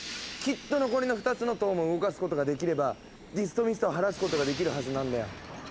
きっと残りの２つの塔も動かすことができればディストミストを晴らすことができるはずなんだよ。